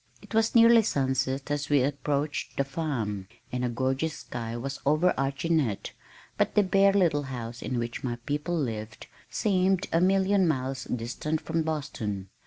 It was nearly sunset as we approached the farm, and a gorgeous sky was overarching it, but the bare little house in which my people lived seemed a million miles distant from Boston.